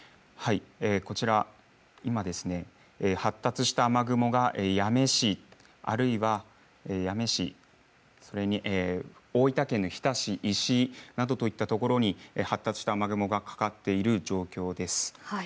こちら、今発達した雨雲が八女市あるいは大分県日田市石井などといったところに発達した雨雲がかかっている状況です。